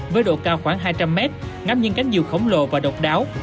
với độ cao khoảng hai trăm linh m ngắm nhìn cánh dù khổng lồ và độc đáo